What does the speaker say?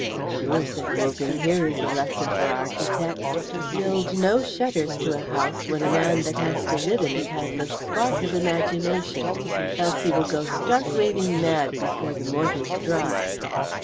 "Sure," said Wogan, "here is a lesson for architects. Build no shutters to a house when the man that has to live in it has a spark of imagination, else will he go stark raving mad before the mortar's dry.